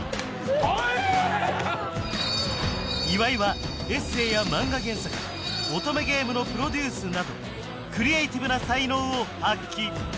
岩井はエッセイや漫画原作乙女ゲームのプロデュースなどクリエイティブな才能を発揮